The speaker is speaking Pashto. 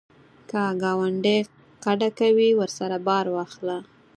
که ګاونډی کډه کوي، ورسره بار واخله